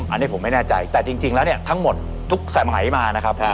อันนี้ผมไม่แน่ใจแต่จริงแล้วเนี่ยทั้งหมดทุกสมัยมานะครับ